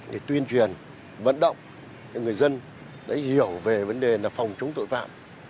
để tuyên truyền vận động cho người dân hiểu về vấn đề phòng chống tội phạm